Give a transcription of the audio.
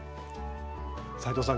斉藤さん